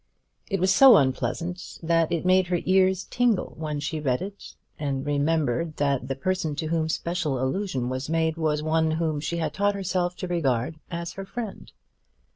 It was so unpleasant that it made her ears tingle when she read it and remembered that the person to whom special allusion was made was one whom she had taught herself to regard as her friend.